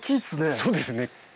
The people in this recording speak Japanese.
そうですね。